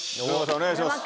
お願いします。